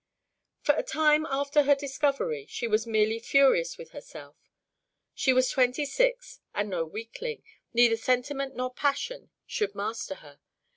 For a time after her discovery she was merely furious with herself; she was twenty six and no weakling, neither sentiment nor passion should master her.